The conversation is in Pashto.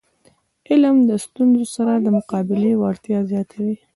علم د ستونزو سره د مقابلي وړتیا زیاتوي.